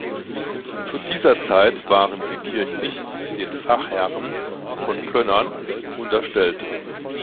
Zu dieser Zeit waren sie kirchlich den Pfarrherren von Könnern unterstellt.